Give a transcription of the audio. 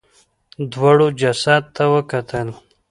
دواړو جسد ته وکتل.